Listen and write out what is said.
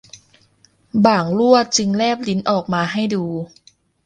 บ่างลั่วจึงแลบลิ้นออกมาให้ดู